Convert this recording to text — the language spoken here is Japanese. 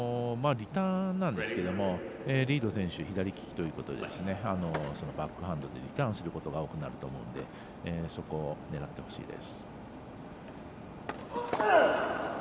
リターンなんですが左利きなのでバックハンドでリターンすることが多くなると思うのでそこを、狙ってほしいです。